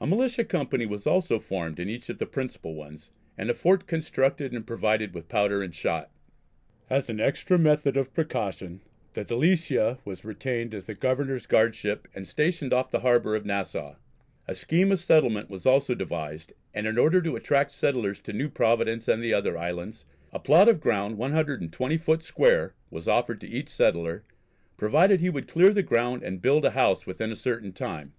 A militia company was also formed in each of the principal ones, and a fort constructed and provided with powder and shot. As an extra method of precaution the Delicia was retained as the Governor's guardship and stationed off the harbour of Nassau. A scheme of settlement was also devised, and in order to attract settlers to New Providence and the other islands, a plot of ground 120 foot square was offered to each settler, provided he would clear the ground and build a house within a certain time.